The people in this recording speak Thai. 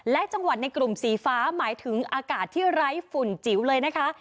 และจังหวัดในกลุ่มสีฟ้าหมายถึงอากาศที่ไร้ฝุ่นจิ๋วเลยนะคะ